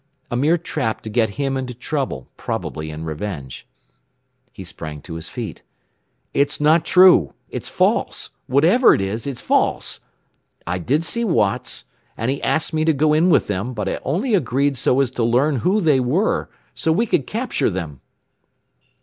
A mere trap to get him into trouble, probably in revenge! He sprang to his feet. "It's not true! It's false! Whatever it is, it's false! I did see Watts, and he asked me to go in with them, but I only agreed so as to learn who they were, so we could capture them!"